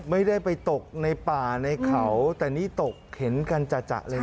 ไม่ได้ไปตกในป่าในเขาแต่นี่ตกเห็นกันจ่ะเลย